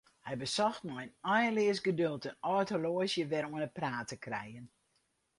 Hy besocht mei einleas geduld in âld horloazje wer oan 'e praat te krijen.